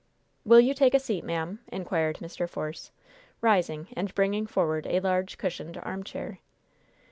"Will you take a seat, ma'am?" inquired Mr. Force, rising and bringing forward a large, cushioned armchair.